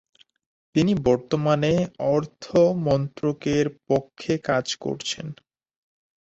তিনি বর্তমানে অর্থ মন্ত্রকের পক্ষে কাজ করছেন।